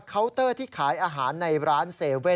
เตอร์ที่ขายอาหารในร้าน๗๑๑